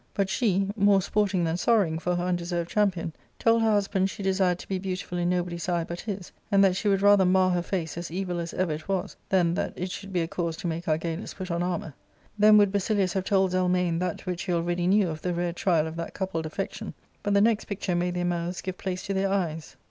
But ^e^more sporting than sorrowing for her undeserved cham pion, told her husband she desired to be beautiful in no body's eye but his, and that she would rather mar her face as evil as ever it was than that it should be a cause to make Argalus put on armour. Then would Basilius have told Zelmane that which he already knew of the rare trial of that coupled affection, but the next picture made their mouths give place to their eyes.